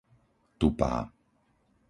Tupá